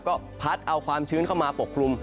ก็พัดเอาความชื้นเข้ามาปกคลุม